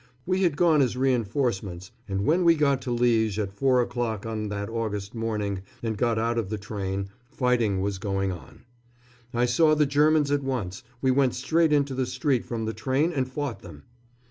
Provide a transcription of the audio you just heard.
We had gone as reinforcements, and when we got to Liège at four o'clock on that August morning and got out of the train, fighting was going on. I saw the Germans at once we went straight into the street from the train and fought them.